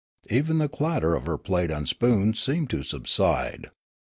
Even the clatter of her plate and spoon seemed to sub side.